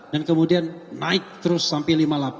dan kemudian naik terus sampai lima puluh delapan